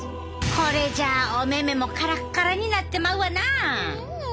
これじゃお目々もカラッカラになってまうわな。